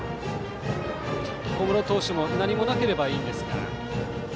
小室投手も何もなければいいですが。